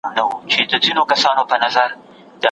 که ته وخت ولرې، زه به درته یوه کیسه ووایم.